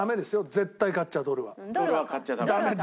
絶対買っちゃダメ。